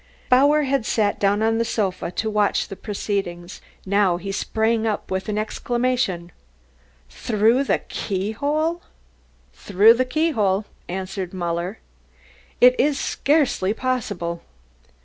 Bauer had sat down on the sofa to watch the proceedings, now he sprang up with an exclamation: "Through the keyhole?" "Through the keyhole," answered Muller. "It is scarcely possible."